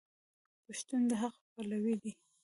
پښتون د حق پلوی دی.